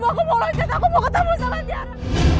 aku mau ketemu sama tiara